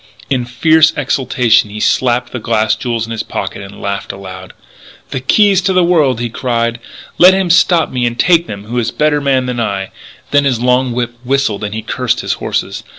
In fierce exultation he slapped the glass jewels in his pocket and laughed aloud. "The keys to the world!" he cried. "Let him stop me and take them who is a better man than I!" Then his long whip whistled and he cursed his horses.